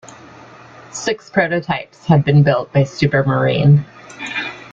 Six prototypes had been built by Supermarine.